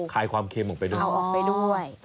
ลายความเค็มออกไปด้วยเอาออกไปด้วย